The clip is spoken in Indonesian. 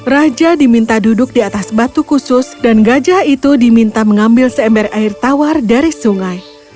raja diminta duduk di atas batu khusus dan gajah itu diminta mengambil seember air tawar dari sungai